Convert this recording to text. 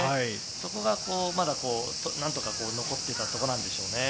そこが何とか残っていたところなんでしょうね。